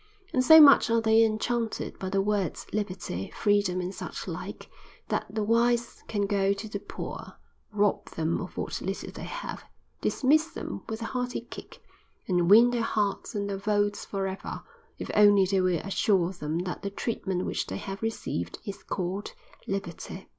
And so much are they enchanted by the words liberty, freedom, and such like, that the wise can go to the poor, rob them of what little they have, dismiss them with a hearty kick, and win their hearts and their votes for ever, if only they will assure them that the treatment which they have received is called liberty."